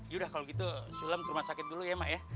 yaudah kalau gitu sulam ke rumah sakit dulu ya mak ya